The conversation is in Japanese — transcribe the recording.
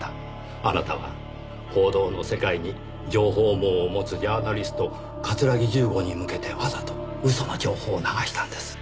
あなたは報道の世界に情報網を持つジャーナリスト桂木重吾に向けてわざと嘘の情報を流したんです。